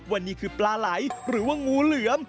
ว่านี่คือปลาไหล่หรืองูเหลือม